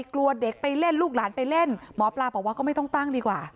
กลัวเด็กไปเล่นลูกหลานไปเล่นหมอปลาบอกว่าก็ไม่ต้องตั้งดีกว่า